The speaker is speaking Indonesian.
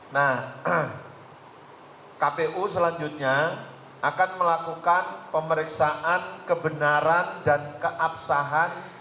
nah kpu selanjutnya akan melakukan pemeriksaan kebenaran dan keabsahan